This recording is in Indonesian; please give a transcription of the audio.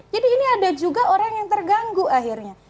jadi ini ada juga orang yang terganggu akhirnya